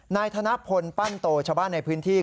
นายธนพลปั้นโตชาวบ้านในพื้นที่